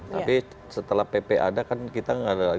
tapi setelah pp ada kan kita tidak ada lagi ada pondingan lagi